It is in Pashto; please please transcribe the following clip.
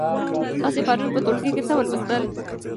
تاسې پرون په ټولګي کې څه ولوستل؟